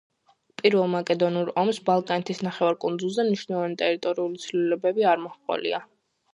პირველ მაკედონურ ომს ბალკანეთის ნახევარკუნძულზე მნიშვნელოვანი ტერიტორიული ცვლილებები არ მოჰყოლია.